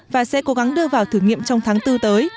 và sẽ cố gắng đưa vào thử nghiệm trong tháng bốn tới